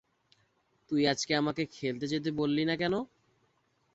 তুই আজকে আমাকে খেলতে যেতে বললিনা কেন?